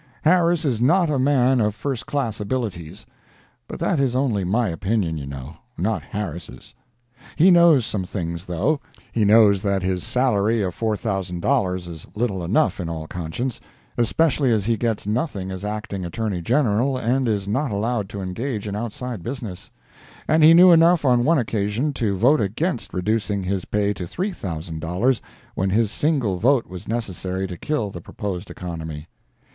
Harris is not a man of first class abilities—but that is only my opinion, you know—not Harris'. He knows some things, though. He knows that his salary of $4,000 is little enough, in all conscience (especially as he gets nothing as Acting Attorney General, and is not allowed to engage in outside business), and he knew enough on one occasion to vote against reducing his pay to $3,000 when his single vote was necessary to kill the proposed economy.